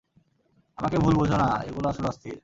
আমাকে ভুল বুঝো না, এগুলো আসলে অস্থির।